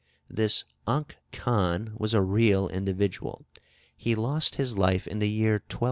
This Unk Khan was a real individual; he lost his life in the year 1203.